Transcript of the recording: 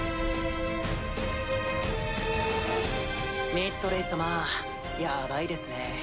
ミッドレイ様ヤバいですね。